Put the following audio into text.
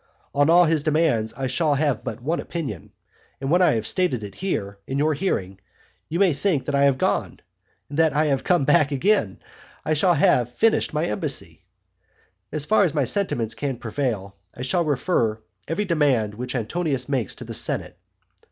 On all his demands I shall have but one opinion; and when I have stated it here, in your hearing, you may think that I have gone, and that I have come back again. I shall have finished my embassy. As far as my sentiments can prevail I shall refer every demand which Antonius makes to the senate.